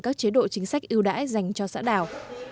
các chế độ chính sách ưu đãi dành cho xã đảo